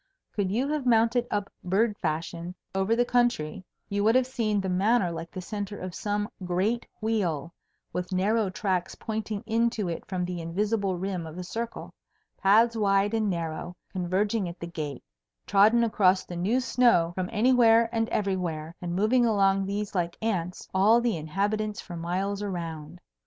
Could you have mounted up bird fashion over the country, you would have seen the Manor like the centre of some great wheel, with narrow tracks pointing in to it from the invisible rim of a circle, paths wide and narrow, converging at the gate, trodden across the new snow from anywhere and everywhere; and moving along these like ants, all the inhabitants for miles around.